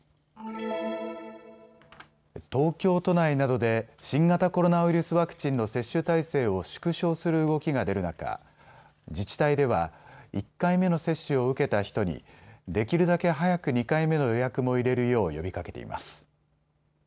東京都内などで新型コロナウイルスワクチンの接種体制を縮小する動きが出る中、自治体では１回目の接種を受けた人にできるだけ早く２回目の予約も入れるよう呼びかけています。